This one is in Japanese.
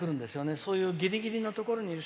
そういうぎりぎりのところにいる人